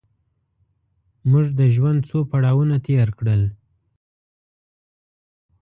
موږ د ژوند څو پړاوونه تېر کړل.